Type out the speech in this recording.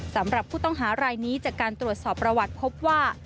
สำหรับผู้ต้องหารายนี้จากการตรวจสอบประวัติพบว่า